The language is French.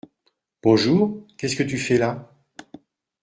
Bonjour… qu’est-ce que tu fais là ?